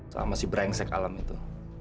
sama si brengsek alam itu